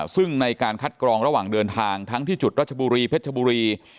ซึ่งในการคัดกรองระหว่างเดินทางทั้งที่จุดรัชบุรีเพชรบุรี